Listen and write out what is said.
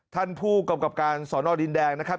ท่านผู้กรรมกรรมการสนดินแดงนะครับ